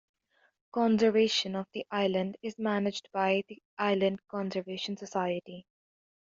Conservation of the island is managed by the Island Conservation Society.